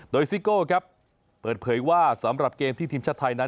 โดยซิโก้ครับเปิดเผยว่าสำหรับเกมที่ทีมชาติไทยนั้น